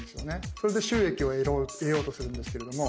それで収益を得ようとするんですけれども。